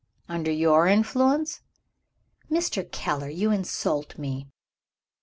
"Under your influence?" "Mr. Keller! you insult me."